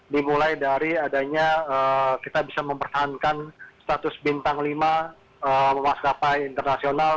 dimulai dari adanya kita bisa mempertahankan status bintang lima maskapai internasional